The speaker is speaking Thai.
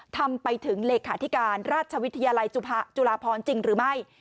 ทำไปถึงเลขาธิการราชวิทยาลัยจุฬาพรจริงหรือไม่